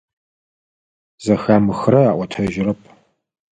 Зэхамыхырэ аӏотэжьырэп.